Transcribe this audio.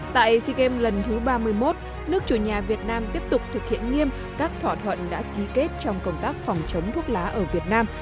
tại sea games lần thứ ba mươi một nước chủ nhà việt nam tiếp tục thực hiện nghiêm các thỏa thuận đã ký kết trong công tác phòng chống thuốc lá ở việt nam